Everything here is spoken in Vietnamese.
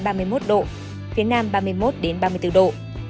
nhiệt độ cao nhất ba mươi một ba mươi một độ phía nam ba mươi một ba mươi bốn độ